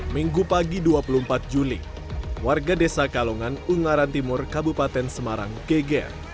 minggu pagi dua puluh empat juli warga desa kalongan ungaran timur kabupaten semarang geger